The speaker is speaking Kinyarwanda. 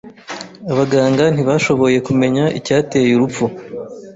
Abaganga ntibashoboye kumenya icyateye urupfu.